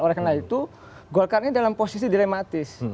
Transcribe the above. oleh karena itu golkar ini dalam posisi dilematis